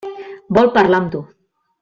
Vol parlar amb tu.